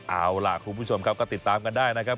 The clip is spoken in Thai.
เอาล่ะคุณผู้ชมครับก็ติดตามกันได้นะครับ